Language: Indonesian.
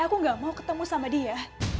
aku gak mau ketemu sama dia